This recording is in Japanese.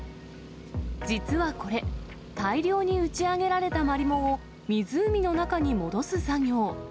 実はこれ、大量に打ち上げられたマリモを、湖の中に戻す作業。